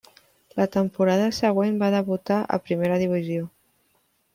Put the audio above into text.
La temporada següent va debutar a Primera divisió.